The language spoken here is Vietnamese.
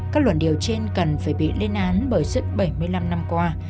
các luận điệu trên cần phải bị lên án bởi suất bảy mươi năm năm qua